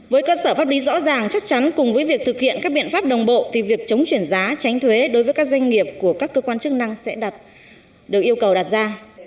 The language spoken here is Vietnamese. với cơ sở pháp lý rõ ràng chắc chắn cùng với việc thực hiện các biện pháp đồng bộ thì việc chống chuyển giá tránh thuế đối với các doanh nghiệp của các cơ quan chức năng sẽ được yêu cầu đặt ra